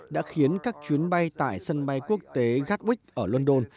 đã khiến các chuyến bay tại sân bay quốc tế gatwick ở london